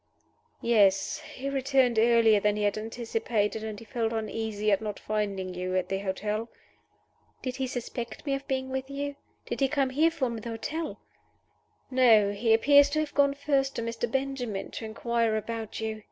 "Yes. He returned earlier than he had anticipated, and he felt uneasy at not finding you at the hotel." "Did he suspect me of being with you? Did he come here from the hotel?" "No. He appears to have gone first to Mr. Benjamin to inquire about you.